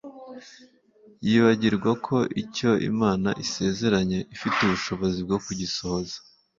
Yibagirwa ko icyo Imana isezeranye, Ifite ubushobozi bwo kugisohoza